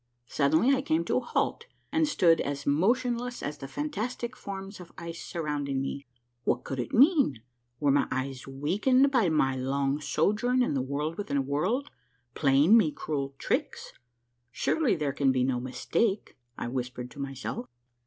Suddenly I came to a halt and stood as motionless as the fantastic forms of ice surrounding me. What could it mean ? Were my eyes weakened by my long sojourn in the World with in a World, playing me cruel tricks? Surely there can be no mistake ! I whispered to myself.